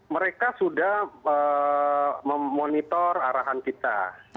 mereka sudah memonitor arahan kita